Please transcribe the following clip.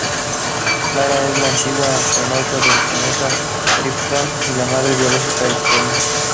Lara es una antigua astronauta del planeta Krypton y la madre biológica de Superman.